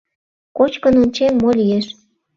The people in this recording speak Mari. Кочкын ончем, мо лиеш?